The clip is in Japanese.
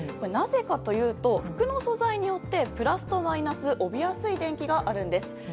なぜかというと服の素材によってプラスとマイナス帯びやすい電気があるんです。